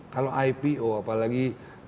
kalau ipo apalagi